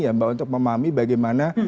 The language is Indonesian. ya mbak untuk memahami bagaimana